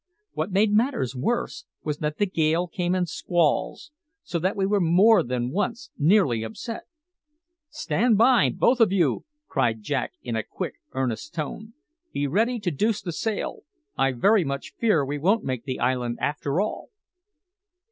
What made matters worse was that the gale came in squalls, so that we were more than once nearly upset. "Stand by, both of you!" cried Jack in a quick, earnest tone. "Be ready to deuce the sail. I very much fear we won't make the island after all."